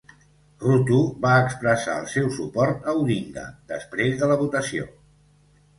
Ruto va expressar el seu suport a Odinga després de la votació.